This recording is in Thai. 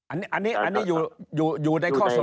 อันนี้อยู่ในข้อสรุปแล้วครับ